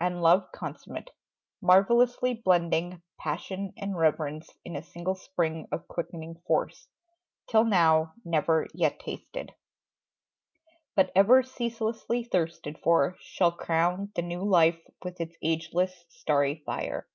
And love consummate, marvellously blending Passion and reverence in a single spring Of quickening force, till now never yet tasted, But ever ceaselessly thirsted for, shall crown The new life with its ageless starry fire.